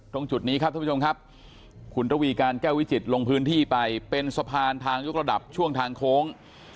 ตรงจุดนี้ครับท่านผู้ชมครับคุณระวีการแก้ววิจิตรลงพื้นที่ไปเป็นสะพานทางยกระดับช่วงทางโค้ง